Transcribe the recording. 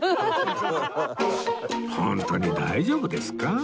ホントに大丈夫ですか？